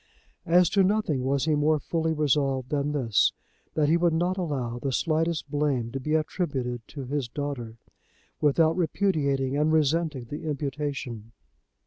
As to nothing was he more fully resolved than this, that he would not allow the slightest blame to be attributed to his daughter, without repudiating and resenting the imputation.